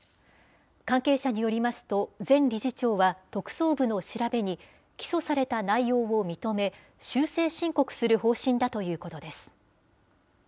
関係者によりますと、前理事長は特捜部の調べに、起訴された内容を認め、修正申告する方針だということです。